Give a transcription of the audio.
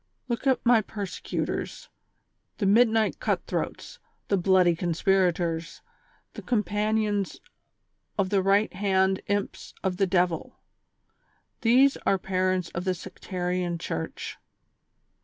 Look at my persecu tors, the midnight cut throats, the bloody conspiratoi s, the companions of the right hand imps of the devil. These are parents of the sectarian Church.